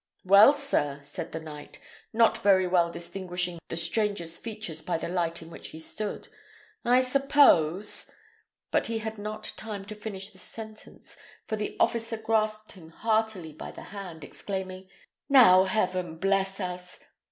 "Well, sir," said the knight, not very well distinguishing the stranger's features by the light in which he stood, "I suppose " But he had not time to finish his sentence, for the officer grasped him heartily by the hand, exclaiming, "Now heaven bless us!